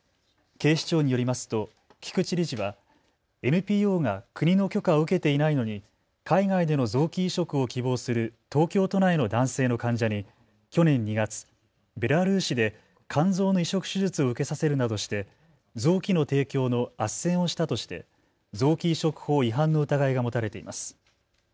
警視庁によりますと、菊池理事はＮＰＯが国の許可を受けていないのに海外での臓器移植を希望する東京都内の男性の患者に去年２月、ベラルーシで肝臓の移植手術を受けさせるなどして臓器の提供のあっせんをしたとして臓器移植法違反の疑いが持たれています。